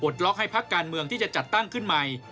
ล็อกให้พักการเมืองที่จะจัดตั้งขึ้นใหม่